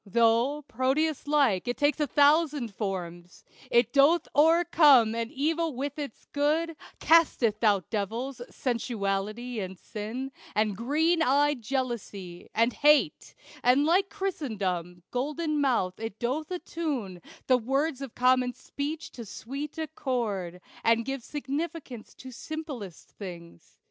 Though, Proteus like, it takes a thousand forms, It doth o'ercome all evil with its good, Casteth out devils sensuality, and sin, And green eyed jealousy, and hate; and like Chrysostom, golden mouthed, it doth attune The words of common speech to sweet accord, And gives significance to simplest things.